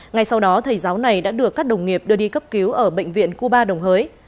ngay sau đó thầy giáo này đã được các đồng nghiệp đưa đi cấp cứu ở bệnh viện cuba đồng hới